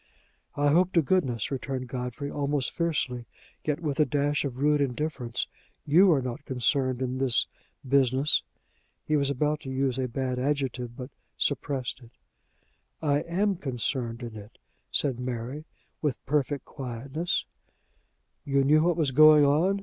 "I hope to goodness," returned Godfrey, almost fiercely, yet with a dash of rude indifference, "you are not concerned in this business!" he was about to use a bad adjective, but suppressed it. "I am concerned in it," said Mary, with perfect quietness. "You knew what was going on?"